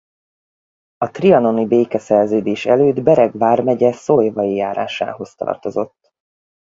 A trianoni békeszerződés előtt Bereg vármegye Szolyvai járásához tartozott.